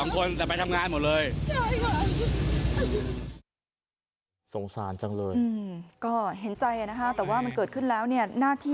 ๒คนแต่ไปทำงานหมดเลย